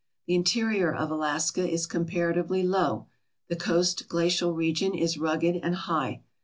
The interior of Alaska is comparatively low; the coast glacial region is rugged and high.